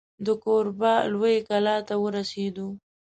د کوربه لویې کلا ته ورسېدو.